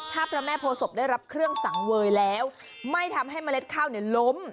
ถ้าพระแม่โพศพได้รับเครื่องสังเวยแล้วไม่ทำให้เมล็ดข้าวเนี่ยล้ม